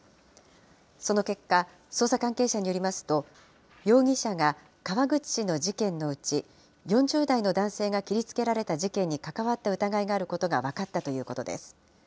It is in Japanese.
その結果、捜査関係者によりますと、容疑者が川口市の事件のうち、４０代の男性が切りつけられた事件に関わった疑いがあることが分かったということです。